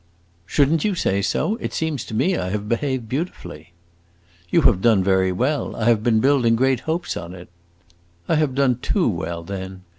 "Should n't you say so? It seems to me I have behaved beautifully." "You have done very well; I have been building great hopes on it." "I have done too well, then.